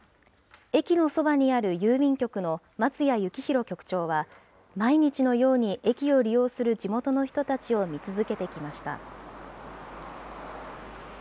駅のそばにある郵便局の松谷幸弘局長は、毎日のように駅を利用する地元の人たちを見続けてきました。